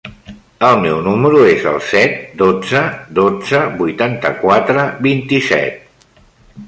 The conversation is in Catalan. El meu número es el set, dotze, dotze, vuitanta-quatre, vint-i-set.